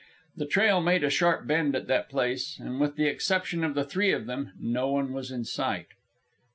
The trail made a sharp bend at that place, and with the exception of the three of them no one was in sight.